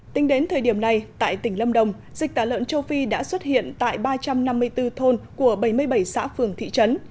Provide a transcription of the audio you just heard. tính đến thời điểm này tại tỉnh lâm đồng dịch tả lợn châu phi đã xuất hiện tại ba trăm năm mươi bốn thôn của bảy mươi bảy xã phường thị trấn